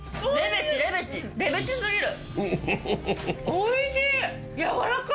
おいしい！